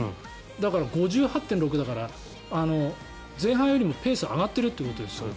だから、５８．６だから前半よりもペースが上がってるということですね。